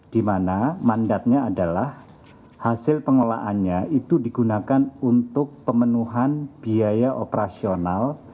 di mana mandatnya adalah hasil pengelolaannya itu digunakan untuk pemenuhan biaya operasional